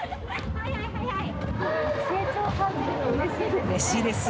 早い早い。